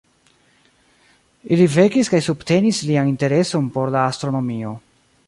Ili vekis kaj subtenis lian intereson por la astronomio.